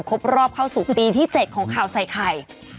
ครบรอบเข้าสู่ปีที่๗ของข่าวใส่ไข่